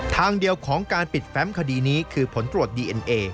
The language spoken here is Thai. ทางเดียวของการปิดแฟมคดีนี้คือผลตรวจดีเอ็นเอ